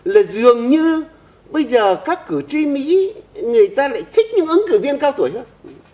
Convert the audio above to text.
là dường như bây giờ các cử tri mỹ người ta lại thích những ứng cử viên cao tuổi hơn